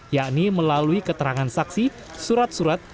yakni melalui keterangan saksi surat surat